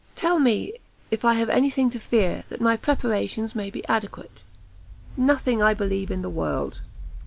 tell me if I have any thing to fear, that my preparations may be adequate!" "Nothing, I believe, in the world."